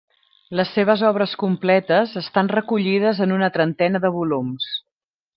Les seves obres completes estan recollides en una trentena de volums.